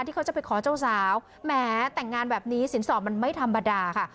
ที่เขาจะไปขอเจ้าสาวแหมแต่งงานแบบนี้สินสอดมันไม่ธรรมดาค่ะ